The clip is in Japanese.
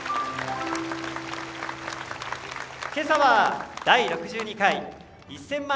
今朝は「第６２回１０００万